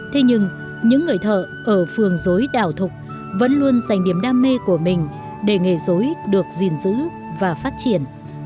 thế nhưng những người thợ ở phường dối đảo thục vẫn luôn dành niềm đam mê của mình để nghề dối được gìn giữ và phát triển